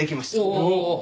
おお！